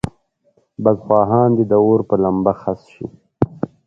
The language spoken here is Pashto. بدخواهان دې د اور په لمبه خس شي.